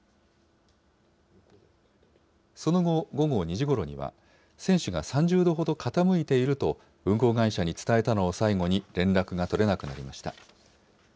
その後、午後２時ごろには、船首が３０度ほど傾いていると、運航会社に伝えたのを最後に連絡が取れなくなりました。